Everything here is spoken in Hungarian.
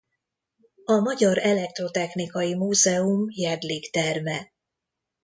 A Magyar Elektrotechnikai Múzeum Jedlik-terme.